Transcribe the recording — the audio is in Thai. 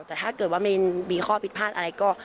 แต่ถ้าเกิดว่าไม่มีข้อผิดพลาดอะไรก็